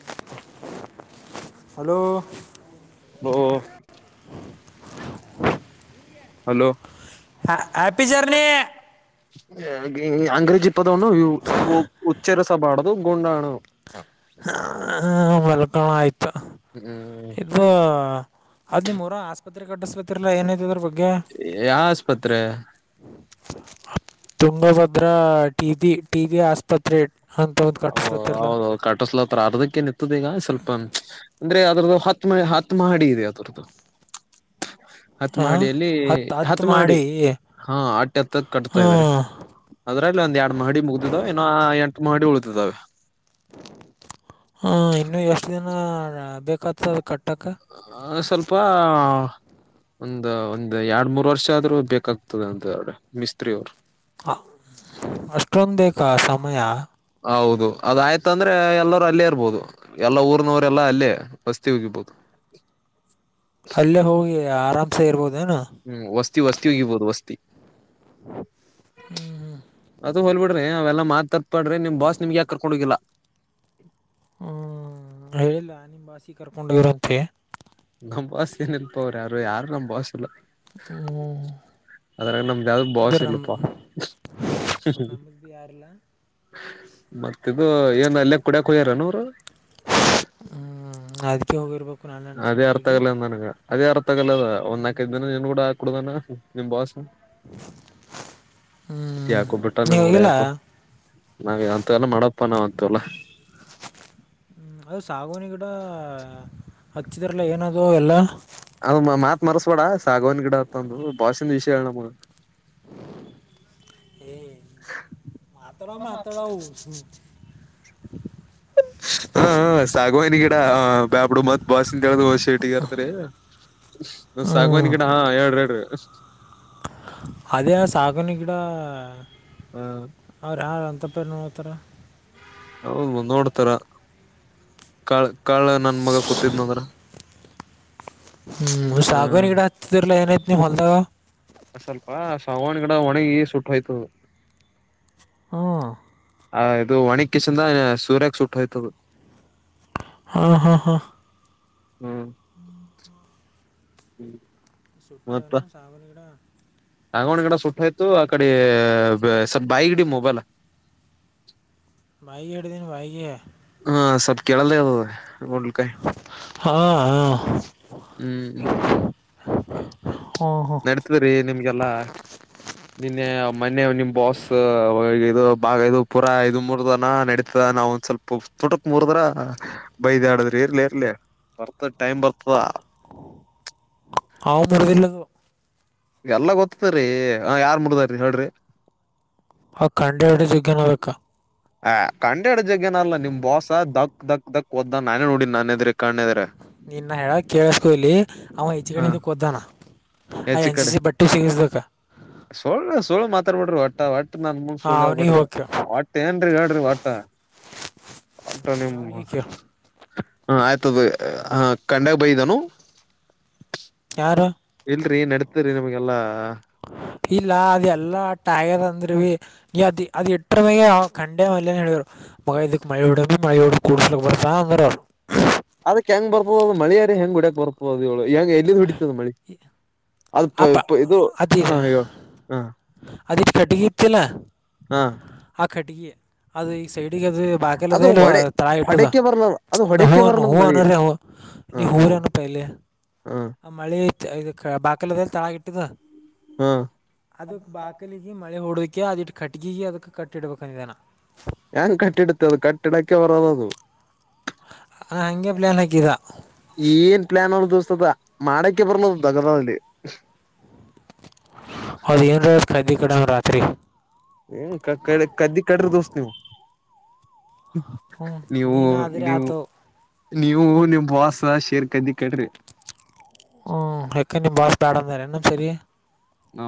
[inaudible] Hello ಓ hello ಹ happy journey ಅಂಗ್ರೇಜಿ ಪದವನ್ನು ಉಚ್ಚರಿಸಬಾರದು ಗೊಂಡಾಣು ಹ ವಲ್ಕಮ ಆಯ್ತು ಹ್ಮ್ ಇದು ಅದ್ ನಿಮ್ೂಊರ ಆಸ್ಪತ್ರೆ ಕಟ್ಟಿಸ್ಬೇಕತಿಲ್ಲ ಏನಿದ ಯಾವ ಆಸ್ಪತ್ರೆ ತುಂಗಭದ್ರ ಟಬಿ ಟಬಿ ಆಸ್ಪತ್ರೆ ಅಂತ ಒಂದು ಓ ಕಟ್ಟಿಸ್ಲತ್ತಿರಲ್ಲ ಹೌದ ಕಟಸ್ಲ ಹತ್ರ ಅರ್ದಕ್ಕೇ ನಿ ಈಗ ಸ್ವಲ್ಪ ಅಂದ್ರೆ ಅದ್ರದ್ದು ಹತ್ತು ಮ ಹತ್ತು ಮಹಡಿ ಇದೆ ಅದರದ್ದು ಹತ್ ಹಾಂ ಮಾಡಿಯಲ್ಲಿ ಹತ್ತು ಹತ್ತು ಹತ್ ಮಾಡಿ ಹಾ ಅಟ್ಟಿ ಹತ್ತದ ಕಟ್ತಾ ಹ್ಞೂ ಇದಾರೆ ಅದ್ರಲ್ಲಿ ಒಂದ್ ಎರಡ್ ಮಹಡಿ ಮುಗತಿದ್ದಾವೆ ಇನ್ನುೊ ಎಂಟು ಮಹಡಿ ಉಳಿತಿದ್ದಾವೆ ಹ ಇನ್ನು ಎಷ್ಟು ದಿನ ಬೇಕ್ತದ ಅ ಸ್ವಲ್ಪ ಒಂದ ಒಂದ್ ಎರಡ್ ಮೂರ್ ವರ್ಷ ಆದ್ರೂ ಬೇಕಾಗ್ತದ ಅಂತ ಎ ಮಿಸ್ತ್ರಿ ಅವರು ಹ ಅಷ್ಟೊಂದು ಬೇಕಾ ಸಮಯ ಹೌದು ಅದ ಆಯ್ತ ಅಂದ್ರೆ ಎಲ್ಲರೂ ಅಲ್ಲೇ ಇರ್ಬೋದು ಎಲ್ಲಾ ಊರ್ನವರೆ ಎಲ್ಲಾ ಅಲ್ಲೇ ಬಸ್ತಿ ಹಗಿರ್ಬೋದು ಅಲ್ಲೇ ಹೋಗಿ ಆರಾಮ್ಸ ಇರ್ಬೋದು ಹ್ಮ್ ವಸ್ತಿ ವಸ್ತಿ ಹೋಗಿರ್ಬೋದು ವಸ್ತಿ ಅದು ಹೊಲ್ಬಿಡ್ರಿ ಅವೆಲ್ಲ ಮಾತ್ ತತ್ಾಡ್ರೆ ನಿಮ್ ಬಾಸ್ ನಿಮ್ಗೆ ಯಾಕ ಕರ್ಕೊಂಡ ಹೋಗಿಲ್ಲ ಹ್ಮ್ ಹೇಳಿಲ್ಲ ನಿಮ್ಮಾಸಿ ಕರ್ಕೊಂಡೋಗಿರುವಂತೆ ನಮ್ ಬಾಸ್ ಏನ ಇಲ್ಪ ಅವ್ರರು ಯಾರು ಯಾರ ನ್ ಬಸ್ ಹ್ಮ್ ಅದ್ರಾಗ ನಮ್ಗೆ ಯಾರ ಬಸೆ ಇಲ್ಲಪ್ಪಾ ನಮಗೆ ಭೀ ಯಾರಿಲ್ಲ ಮತ್ತಿದದು ಏನ್ ಅಲ್ಲೇ ಕುಡಿಯ ಕುದಿಯಾರ ನೂರು ಕೆವುಗ ಬ ಅದೇ ಅರ್ಥ ಆಗಲ್ಲ ನನಗ ಅದೇ ಅರ್ಥ ಆಗಲ್ಲ ಅದ ಒಂದ್ ನಾಕೈದ ದಿನ ನೀನ್ ಕೂಡ ಹಾಕ ಕುಡುದನ ನಿಮ್ ಬಾಸ್ ಹ ಯಾಕೋ ಬಿಟ್ಟ ನೀವು ನೋಡ ಹೋಗಿಲ್ಲ ಯಾಕೋ ನಾವ ಅಂತ ಎಲ್ಲ ಮಾಡ ಪ್ಪನವತ್ತು ಅಲ್ಲ ಹ್ಮ್ ಅದ ಸಾಗುವನಿ ಗಿಡ ಹಚ್ಚಿದ್ರಲ್ಲ ಏನದು ಎಲ್ಲಾ ಅದ ಮಾತ್ ಮರಸ್ಬೇಡ ಸಾಗವನ್್ ಗಿಡ ಅತ್ಂದು ಭಾಷಿನ ವಿಷಯ ಹೇಳ ನಮ್ಮ ಮಾತಡ ಮಾತಡ ಹ ಹಾ ಸಾಗುವನಿ ಗಿಡ ಆ ಬ್ಯಾಬಡು ಮತ್ ಬಾಸ್ಂತ ಹೇಳಿದ ಶಟಗರ್ತ್ರಿ ಸಾಗವಾಣಿ ಗಿಡ ಹಾ ಎರಡ್ರ ಎರಡಿ ಅದೇ ಸಕಣೆ ಕಿಡ ಹ ಅವ್ರ ಯಾರ ತ್ತಪ್ಪ ನೋ ಥರ ಹೌದು ನೋಡ್ತಾರ ಕಾ ಕಾಳ ನನ್ ಮಗ ಕೂತಿದ್ನಂದ್ರ ಹ್ಮ್ ಸಾಗವನ ಹ್ಮ್ ಇ ಕಡೆ ಹತತಲ್ಲ ಎಏನ್ ನೀ ಹೊಲ್ದಾಗ ಅ ಸ್ವಲ್ಪ ಸಾವಾಣ್ ಗಿಡ ಒಣಗಿ ಸುಟ್ಟು ಹಯ್ತದ ಹಾ ಆ ಇದು ಒಣಿ ಕಿಸಿಂದ ಸೂರ್ಯಕ್ ಸುಟ್ಟ ಹೋಯ್ತದ ಹಾ ಹಾ ಹಾ ಹ್ಮ್ ಸುಟ್ಟ ಏನು ಸಾವನಗಿಡ ಸಾಂಗಣಗಡ ಸುಟ್ಟ ಇತು ಅ ಕಡೆ ಸ್ವಲ್ ಬಾಯಗಡಿ ಮೊಬೈಲ್ ಮೈಗೆ ಎಡುದಿನ ವೈಗೆಯಾ ಹಾ ಸ್ವಲ್ಪ ಕೇಳದೇ ಅ ಹಾ ಹ್ಮ್ ಹಾ ನಡ್ತದ್ರಿ ನಿಮ್ಗೆಲ್ಲಾ ನಿನ್ನೆ ಮೊನ್ನೆ ನಿಮ್ ಬಾಸ್ದು ಬಾಗ ಇದು ಪೂರಾ ಐದು್ ಮೂರ್ ದನ ನಡತದ ನಾವ ಒಂದ್ ಸ್ವಲ್ಪ ತೋಟಕ್ ಮೂರ್ ದರ ಬೈದ್ ಆಡದ್ರಿ ಇರ್ಲಿ ಇರ್ಲಿ ಬರ್ತದ ಟೈಮ್ ಬರ್ತದ ಹವು ಬರದಿಲ್ಲದು ಎಲ್ಲ ಗೊತ್ತತರಿ ಆ ಯಾರ್ ಮುಡ್ದರಿ ಹೇಳ್ರಿ ಆ ಕಂಡಡು ಜಿಗ್ಗನ ಬಕ್ಕ ಹ ಕಂಡಾಡ ಜಗ್ ಏನಲ್ಲ ನಿಮ್ ಬೋಸ ಧಕ್ ಧಕ್ ಕ್ ಓದ್ದ ನಾನೇ ನೋಡ ನಾನನ್ದ್ರಿ ಕಣ್ಣದ್ರೆ ನಿನ್ನ ಹೇಳ ಕೇಳಸ್ಕೊ ಇಲಿ ಅವ ಹ ಹೆಚ್ಗಣಿದ ದ್ದಾನ ಐ ಹೆಚ್ಚ ಎನ್ಸ ಕಡೆ ಸಿ ಬಟ್ಟ ಸಿಂಗಲ್ಸ್್ದಕ್ಕ ಬಿಡ್ರಿ ಒಟ್ಟ ಒಟ್ಟ ನಂದ ಮುಂದ ಸುಳ್ಳ ಹಳ್ಬ ಬಿಡ್ರಿ ಹೋಗಿ ಕೇಳು, ಒಟ್ಟ ಏನ್ರೀ ಹೇಳಡ್ರಿ ಒಟ್ಟ ಟೋ ನಿ ಅವನಿಗೆ ಕೇಳು ಹ ಆಯ್ತದ ಹ ಕಂಡಾಗ ಬೈಿದಾನು ಯಾರು ಇಲ್ರಿ ನಡತ್್ರರಿ ನಮಗೆಲ್ಲಾ ಇಲ್ಲ ಅದ ಎಲ್ಲಾಟ ಆಗ್ಯದಂದ್ರ ಬಿ ಅದ ಅದು ಇಟ್ರ ಮೇಾಗ ಕಖಂಡೆ ಮಲ್ನ ಹೇಳರು ಮಗ ಇದುಕ್ಕೆ ಮಳುಡ ಮಳೆಯಡ ಕುಡಸಲ ಬರತಾಂದರರು ಅದಕ್ಕೆ ಹೆಂಗ ಬರ್ತದ ಅದು ಮಳಿಯಾರಿ ಹೆಂಗ್ುಡಕಕ್ ಬರ್ತದ ಅದು ಹೆಂಗ ಎಲ್ಲಿ ಹೊಡಿತದ ಮಳಿ ಅಪ್ಪ ಅದು ಇದು ಹ ಹ ಇ ಕಟ್ಟಗಿ ಇತ್ತಲ್ಲ ಹಾ ಆ ಕಟ್ಟಗಿ ಅದು ಈ ಸೈಡಿಗೆ ಅದು ಬಾಕೆಲ್ಲದ ಅದು ಇಲ್ ಹೊಡೆ ತಳಾ ಇಟ್ಟದ ಹೊಡಕೆ ಬರ್ಲ ಅದು ಹೂ ಹೊಡಕೆ ಬರ್ಲದ ಹೂ ಮಳಿ ಅನೋ್ರ ಹ ಹ ನೀ ಹ್ಮ್ ಹೂರೇನು ಪ ಹ ಆ ಮಳಿ ಇ ಬಾಕಲ ತಳಗ ಇಟ್ಟಿದ ಹಾ ಅದು ಬಾಕಲಿಿಗೆ ಮಳೆ ಹೊೂಡಿಕೆ ಅದಿಟ್ಟು ಕಟ್ಗ ಅದಕ್ಕೆ ಕಟ್ಟಿಡ್ಬೇಕಂದಿದ್ದಾನ ಹೆಂಗ ಕಟ್ಟಿಡತ್ತೆ ಅದು ಕಟ್ಟಿಡಕ್ಕೆ ಬರದದು ನಾ ಹಾಗೆ ಪ್ಲ್ಯಾನ್ ಹಾಕಿದ ಏನ್ ಪ್ಲಾನ್ ಅವದು ಸ್ವಲ್ದ ಮಾಡಕ್ಕೆ ಬರ್ಲದು ದಗಲ್ಲಿ ಹದಯನ್ ರೋಜ ಖ್ದಿಕ್ಕೊಂಡ ರಾತ್ರಿ ಏ ಕ್ದಿ ಕಟ್ರ ದೋಸ್ತಿ ಹ್ಞೂ ನೀವು ನೀನು ಆದರೆ ನೀವು ಆತವು ನೀವು ನಿಮ್ ಬಾಸ್ ಶೇರ್ ಕದ್ದಿ ಕಡ್ರಿ ಹ್ಮ್ ಎಕ್ಕ ನೀ ಬಾಸ್ ತೇಡಂದ ಎನ್ನ ಸರಿ ನಾ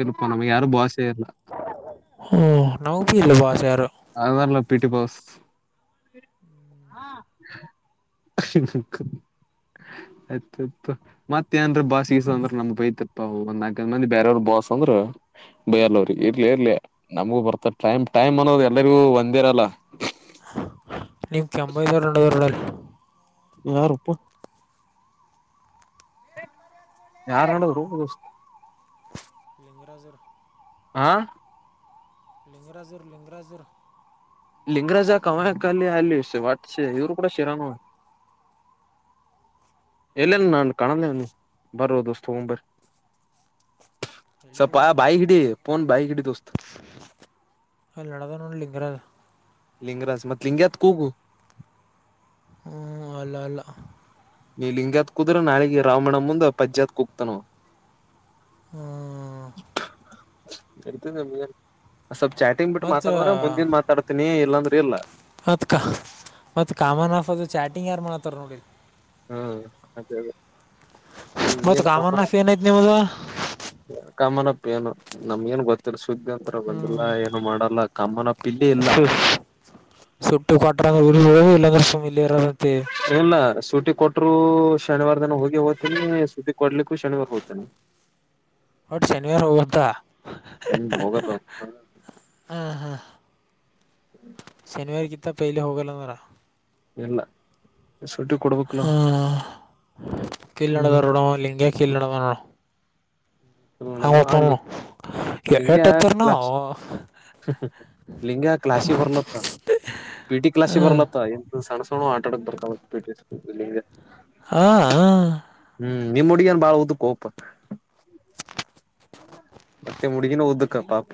ಇಲ್ಪ ನಮ್ಗೆ ಯಾರು ಭಾಷೆ ಇಲ್ಲ ಹ್ಮ ನವುಪ ಇರ್ಲ್ಲ ಬಸೆ ಅಾರಲ್ಲ ಪಿಟಿ ಬಸ್ ಸಿಿ ಸಿ ಆಯ್ತತ್ ಮತ್ತೇಏನ್್ರ ಬಾಸ್ಗೀಸ ಅಂದ್ರ ನಮ್ ಬೈತಪ್ಪ ಒಂದ ನಾಲ್ಕ್ ಮಂದಿ ಬೇರೆಯವರು ಬ ಅಂದ ಬೂ ಇರ್ಲಿ ಇರ್ಲಿ ನಮಗೂ ಬರ್ತ ಟೈಮ್ ಟೈಮ್ ಅನ್ನೋ ಎಲ್ಲರಿಗೂ ಒಂದೇರಲ್ಲ ನಿಮ್ ಕೆಂಬೈ ಸಾವರರಡಲ್ಲಿ ಯಾರ ಉಪ್ಪು ಯಾರ ಹಾಂ ಹೇಳ್ರು ಇಂಗರಾಜರ ಆ ಲಿಂಗರಾಜುರ್ ಲಿಂಗರಾಜರ್ ಲಿಂಗರಾಜ ಕವನಕಲ್ಲಿ ಅಲ್ಲಿ ವಟ್ಸೆ ಇವರು ಕೂಡ ಶಿರಾನು ಹಾಂ ಎಲ್ಲನು ನನ್ು ಕಾಣಲ್ಲನು ಬರೋದು ತಗೊಂಬರ ಸಪ್ಪ ಬೈ ಕಿಡಿ ಪನ್ ಬಾಯ ಕಿಡಿ ದಸ್ತ ಹಲ್ಲಡದ ನು ಲಿಂಗರದ ಲಿಂಗರಾಜ ಮತ್ ಲಿಂಗತ್ ಕೂಗು ಹ್ಮ್ ಅಲ್ಲ ಅಲ್ಲ ನೀ ಲಿಂಗತ್ ಕುದ್ರೆ ನಾಳಿಗೆ ರಾವಣ ಮುಂದೆ ಪಜ್ಜತ್ ಕುೂಗ್ತಾನ ಹ್ಞೂ ಆಯ್ತ ನಿಮ ಸ್ವಲ್ಪ್ ಚಾಟಿಂಗ್ ಬಿಟ್ಟು ಮತ್ತು ಮಾತಾಡದ್ರ ಮುಂದನ್ ಮಾತಾಡ್ತೀನಿ ಇಲ್ಲಾಂದ್ರೆ ಇಲ್ಲಾ ಮತ್ ಕ ಮತ್ ಕಾಮನ್ ಆಫ್ ಅದು ಚಾಟಿಂಗ್ ಯಾರು ಮಾಡತ್ತಾರ ನೋಡರಿ ಹ್ಮ ಅದೇ ಅದೇ ಹ್ಮ್ ಮತ್ತು ಏನ್ ಕಾಮನ್ ಆಫ್ ಏನೈತೆ ನಿಮ್ಮದು ಕಾಮನ್ಪ್ ಏನು ನಮ್ಗ ನ್ ಗೊತ್ತಿರ್ ಸ್ದಾಂತ್ರ ಬಂದಿಲ್ಲಾ ಹ್ಞೂ ಏನು ಮಾಡಲ್ಲ ಕಮ್ಮನಪ್ಪಲ್ಲಿ ಇಲ್ಲ ಸಟ್ಟ ಕಟ ಇಲ್ಲಂದರ ಸಮ ಇಲ್ಲಿ ಹ್ಣ ಸೂಟಿ ಕೊಟ್ಟರು ಶನಿವಾರ ದನ ಹೋಗಿ ಹೋಗ್ತೇನಿ ಶೂಟಿ ಕೊಡ್ಲಿಕ್ಕೂ ಶನಿವಾರ ಹೋಗ್ತೇನೆಿ ಒಟ್ಟು ಶನಿವಾರ ವತ್ತ ಹ್ಮ್ ಹೋಗದು ಹ್ಮ ಶನಿಿವಾರತ್ತ ಪೈಲೆ ಹೋಗಲ್ಲ ನಾರ ಇಲ್ಲ ಸುಟಿ ಕೊಡ್ಬೇಕಲ ಹ ಕೀೇಳಡದ ಹ್ಮ್ ರೋಡ ಲಿಂಗಗೆ ಕೀೇಳಡದ ರೋಡ ಹನ ಹ ಎ- ಲಿಂಗ ಎಟ್ ಹತ್ತಾರ ಕ್ಲಾಸ್ ನಾವು ಲಿಂಗ ಕ್ಲಾಸಿ ಬರ್ಲತ್ತ ಪಿಟಿ್ಲಾಸ್ಿಗೆ ಹ್ಞೂ ಬರ್ಲತ್ತ ಎ ಸಣ್ಣ ಸಣ ಆಟ ಆಡಕ್ ಬರ್ತಾವ ಪಿಟಿಗೆ ಹಾ ಹ ಹೂ ನಿಮ್ ಹುಡುಗೇನ್ ಬಾಳ್ ಉದ್ದು ಕ ಕೋಪ ಮತ್ತೆ ಹುಡುಗಿ ಉದುಕ ಪಾಪ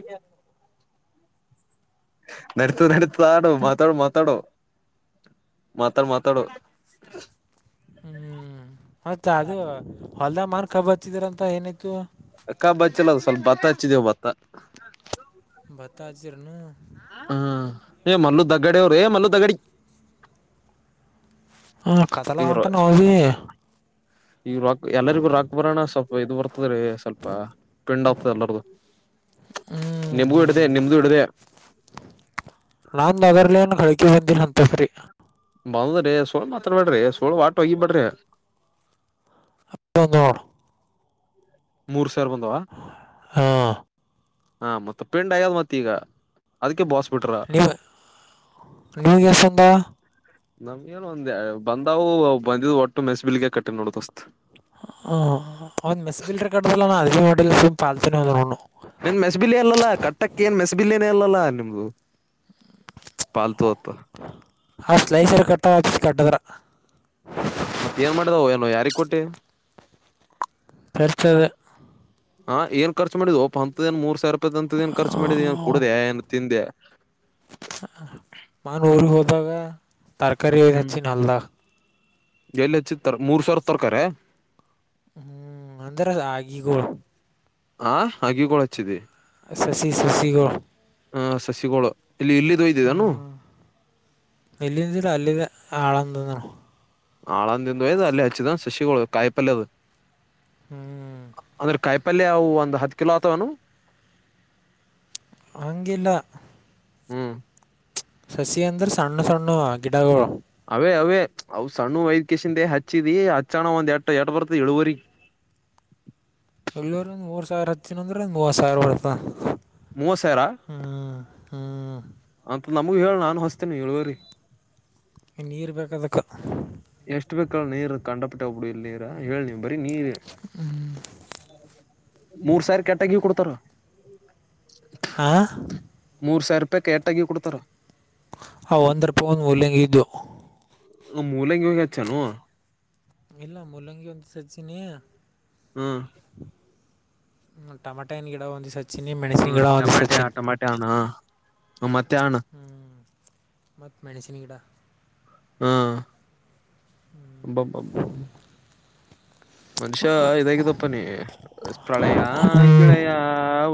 ನೆಡಿತೆತಿ ನೆಡಿತೆತಿ ಆಡೋ ಮಾತಾಡುೋ ಮಾತಾಡೋ ಮಾತಾಡು ಮಾತಾಡು ಹೂ ಮತ್ತೆ ಅದು ಹೊಲ್ದ ಮಾರ್ಕ ಬಚ್ಚಿದಾರಂತ ಏನಾಯ್ತು ಅಕ್ಕಾಬ್ ಹಚ್ಚಿಲ್ಲ ಸ್ವಲ್ಪ ಭತ್ತ ಹಚ್ಚಿದೇವು ಭತ್ತ ಭತ್ತ ಹಚ್ಚಿದ್ರನು ಹೂ ಮಲ್ಲು ದಗಡ ಅವ್ರು ಮಲ್ಲು ದಗಡಿ ಹ ಕಥೆಲ್ಲ ಉಟ ನ ಇದ ಈಗ ರಾಕ್ ಎಲ್ಲರಿಗೂ ರಾಕ್ ಬರೋಣ ಸ್ವಲ್ಪ ಇದು ಬರ್ತ ಆಗ್ತದ್ರೀ ಸ್ವಲ್ಪ ಪಿಂಡ್ ಆಗ್ತದೆ ಎಲ್ಲರ್ಗು ಹ್ಮ್ ನಿಮಗೂ ಇಡದೆ ನಿಮ್ದು ಇಡದೆ ನಾನ್ ನದರ್ಲನ್ ಳಿಕೆ ಮಂದ ಹಂತಫ್ರರಿ ಬಂದ್ರಿ ಸೋಳ್ು ಮಾತ್ರಾಬೇಡ್ರಿ ಸೋಳ್ು ವಾಟ ಹೋಗಿಬೇಡ್ರಿ ಹ ನೋಡ ಮೂರು ಸಾವಿರ ಬಂದವ ಹಾ ಹಾ ಮತ್ತ ಪಿಂಡ್ ಆಯ್ಯದು ಮತ್ತೆ ಈಗ ಅದಕ್ಕೆ ಬಾಸ್ ಬಿಟ್ರ ಇಲ್ಲ ನ್ಯೂಗೆಸಂದ ನಮ್ಗೇನು ಒಂದ ಬಂದವು ಬಂದಿದ ಒಟ್ಟು ಮೆಸ್ಬಿಲ್ಿಗೆ ಕಟ್ಟಿ ನೋಡತಸ್ತ್ ಹ್ೌದು ಮೆಸ್ಸ ಬಿಲ್ ಕಡ್ದಲ್ಲ ನ ಅದಿಕ ಮಾಡ ಪಾಲತನೆ ಅವ್ನು ನಿನ್ ಮೆಸ್ಬಿಲಿ ಅಲ್ಲಲ್ಲಾ ಕಟ್ಟಕ್ಕ ಏನ್ ಮೆಸ್ಬಿಲ್ನ ಇಲ್ಲ ಅಲ್ಲ ನಿಮ್ದು ಪಾಲತು ಅಂತ ಆ ಸ್ಲೈಸರು ಕಟ್ಟ ಹ ಕಟ್ಟದ್ರ ಮತ್ತತ್ ಏನ್ ಮಾಡ್ದಾವ ಏನೋ ಯಾರ ಕೊಟ್ಟಿ ಪರಿತದೆ ಹಾ ಏನ್ ಖರ್ಚ ಮಾಡ್ ಒಪ ಅಂತದ ಏ ಮೂರು ರೂಪಾಯಿ ಅಂತದ ಏ ಖರ್ು ಮಾಡಿದ ಕುಡ್ಡ್ಯ ಏನ್ ತಿಿಂದೆ ಮಾನ್ ಊರಿ ಹೋದಾಗ ಹ್ಮ್ ತರಕಾರಿಚ್ಚಿ ನಲ್ದ ಎಲ್ಲಿ ಹೆಚ್ಚಿತ ಮೂರ್ ಸಾವಿರ ತರಕಾರಿ ಹೂ ಅಂದರ ಆಗಿಗೋ ಹ ಹಾಗಿ ಕಳಚ್ಚಿದಿ ಸಸಿ ಸಸಿಗಳು ಹ ಸಸಿಗೋಳು ಇಲ್ಲಿ ಇಲ್ಲಿದುೋಯ್ದಿದ್ದಾನು ಎಲ್ಲಿಂದ ಅಲ್ಲಿದ ಆಳಂದಂದನು ಆಾಳಂದಂದು ಹಯ್ದ ಅಲ್ಲಿ ಹಚ್ಚಿದ ಶಶಿಗಳು ಕಾಯಿಪಲ್ಯದ ಹೂ ಕಾಯಿಪಲ್ಯ ಅವು ಒಂದು ಹತ್ತು ಕಿಲೋ ಆತೆವೇನು ಅಂಗಿಲ್ಲ ಹೂ ಶಶಿ ಅಂದ್ರ ಸಣ್ಣ ಸಣ್ಣು ಗಿಡಗಳು ಅವೇ ಅವೇ ಅವ್ ಸಣ್ಣ ವೈದ್ಯಸಿಂದೇ ಹಚ್ಚಿದಿ ಹಚ್ಚಣ ಒಂದ್ ಎಟ್ಟ ಎಟ ಬರ್ತ ಇಳುವರಿ ಎಳ್ಳೂರು ಒಂದು ಮೂರು ಸಾವಿರ ಹಚ್ಚನ ಅಂದ್ರೆ ಒ ಮೂವತ್ತು ಸಾವಿರ ಬರ್ತ ಮೂವತ್ತು ಸಾವಿರ ಹಾಂ ಮ ನಮಗ ಹೇಳ ನಾನು ಹೊಸ್ತೇನೆ ಇಳ್ುವರಿ ನೀರು ಬೇಕದಕ್ಕೆ ಎಷ್ಟ ಬೇಕಲ್ಲ ನೀರ್ ಕಂಡ ಿಟ್ಟಬುಡು ಇಲ್ ನೀರ ಹೇಳ ನೀವ ಬರಿೀ ನೀರ್ ಮೂರ್ ಸಾವಿರ ಕೆಟ್ಟಾಗಿ ಕೊಡ್ತಾರ ಹಾಂ ಮೂರ್ ಸಾವಿರ ಪಪ್ಪ ಕೇಟಾಗಿಿ ಕೊಡ್ತಾರ ಆ ಒಂದರ ಪವನ್ ಉಲ್ಲಂಗಿದ್ದು ಮೂಲಂಗಿ ಹೋಗಿಚ್ಚಾನೂ ಇಲ್ಲ ಮುಲ್ಲಂಗಿ ಒಂದು ಸಜಿನಿ ಹ್ಮ್. ಟಮಟನ್ ಗಿಡ ಒಂದ್ ದಿನ ಹಚ್ಚಿನಿ ಮೆಣಸಿನ ಹ್ಮ ಗಿಡ ಒಂದ್ ದಿನ ಹಚಿನ್. ಹ ಮತ್ತೆ ಯಾವಣ್ಣು. ಮತ್ತ ಮೆಣಸಿನ ಗಿಡ. ಹ್ಮ ಅಬ್ಬಾ ಬ. ಮನುಷ್ಯ ಇದಾಗಿದ್ದಪ್ಪ ನಿ ಪ್ರಳಯ ಗಿಳೆಯ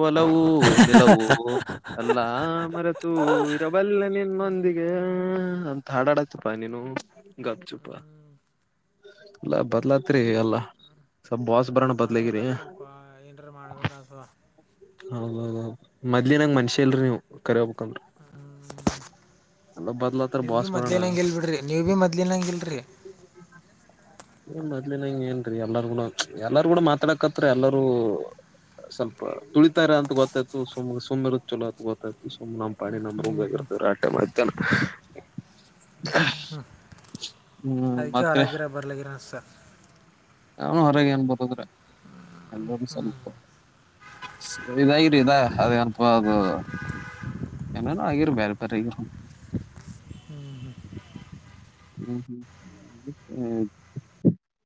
ಒಲ. ಲ್ಲವೂ ನಿಲವೂ ಅಲ್ಲ ಮರೆತು ಇರಬಲ. ನಿನ್ನೊಂದಿಗೆ ಅಂತ ಹಾಡಾಡತಪಾ ನೀನು ಗಪ್ ಚುಪ. ಇಲ್ಲಾ ಬದ್ಲಾತ್ರಿ ಅಲ್ಲಾ. ಮಾಡ್ಬೇಕತಲ್ಪ ಏನ್ರು ಮಾಡ್ಬೇಕ. ಹೌದೌದದು ಮದ್ಲಿ ನಂಗ್ ಮನ್ಷಿಲ್ರರಿ ನೀವು ಕರಿ ಹೋಗ್. ಕೊಂಡ. ನೀವ ಬಿ ಮೊದ್ಲಿನಂಗಲ್ ಬಿಡ್ರಿ ನೀವ ಭೀ ಮದ್ಲಿನಂಗಲ್ರಿ. [inaudible] ಏನ್ ಮದ್ಲಿನಂಗ ಏನ್ರಿ ಎಲ್ಲಾರ್ ಕೂಡ ಎಲ್ಲಾರ ಕೂಡ ಮಾತಾಡಕತ್ರಿ ಎಲ್ಲಾರೂ. ಸ್ವಲ್ಪ ತುಳಿತಾರೆ ಅಂತ ಗೊತ್ತಾಯ್ತು ಸುಮ್ಮ್ ಸುಮ್ಮನೆರುತ್ತ ಚಲೋ ಅಂತ ಗೊತ್ತಾಯ್ತು ನಮ. ಪಾಣಿ ನಂಬ್ರಗ ಇರ್ತವ ಆಟೆ ಮತ್ತೇನ. ಹ್ಮ್ ಹ್ಮ್ ಹ್ಮ್ ಅದಕ್ಕೆ ಮತ್ತೆ ಆರಾಗಿಯರ ಬರ್ಲಾಗಿರ ಸರ್. ಅವನು ಹೊರಗೆ ಏನ್ ಬರದ್ರ ಎಲ್ಲ ಸ್ವಲ್ಪ. ಇದಾಗಿರಿ ಇದ ಅದ ಅನಪ ಅದು ಏನೇನು. ಆಗಿರು ಬೇರೆ ಬೇರೆಗ್ಯರು. ಹ್ಮ್ ಹ್ಮ್.